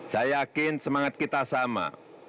saya yakin semangat kita sama